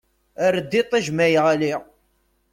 Err-d iṭij ma yeɣli!